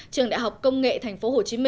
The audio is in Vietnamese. trường đại học công nghệ tp hcm